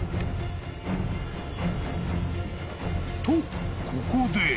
［とここで］